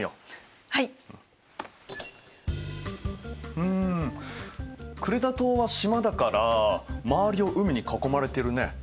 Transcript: うんクレタ島は島だから周りを海に囲まれてるね。